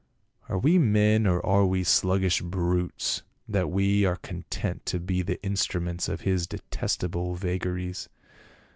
"Are we men or are we sluggish brutes that we are content to be the instruments of his detest able vagaries